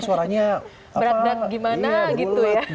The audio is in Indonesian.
beragam gimana gitu ya